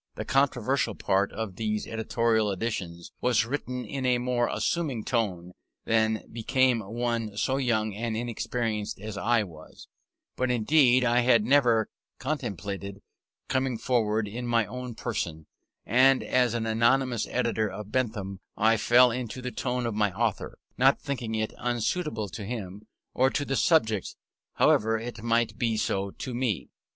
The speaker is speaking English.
The controversial part of these editorial additions was written in a more assuming tone than became one so young and inexperienced as I was: but indeed I had never contemplated coming forward in my own person; and as an anonymous editor of Bentham I fell into the tone of my author, not thinking it unsuitable to him or to the subject, however it might be so to me.